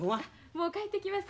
もう帰ってきます。